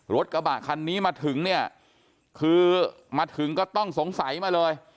รถกระบะคันนี้มาถึงเนี่ยคือมาถึงก็ต้องสงสัยมาเลย